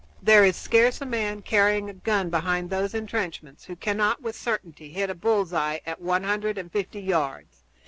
There is scarce a man carrying a gun behind those intrenchments who cannot with certainty hit a bull's eye at one hundred and fifty yards.